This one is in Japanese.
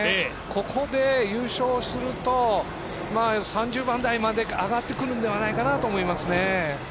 ここで優勝すると３０番台まで上がってくるのではないかなと思いますね。